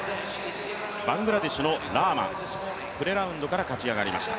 バングラデシュのラーマン、プレラウンドから勝ち上がりました。